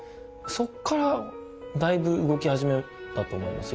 そこからだいぶ動き始めたと思います。